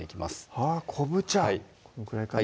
あぁ昆布茶こんくらいかな